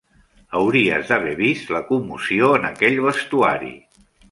Hauries d'haver vist la commoció en aquell vestuari.